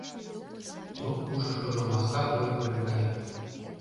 Трук ушышкыжо маска ой пурен кая.